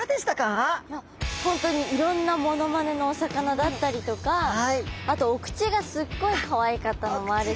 本当にいろんなモノマネのお魚だったりとかあとお口がすっごいかわいかったのもあるし。